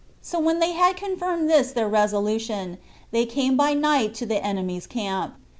So when they had confirmed this their resolution, they came by night to the enemy's camp.